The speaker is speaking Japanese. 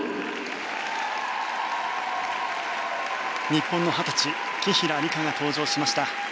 日本の２０歳、紀平梨花が登場しました。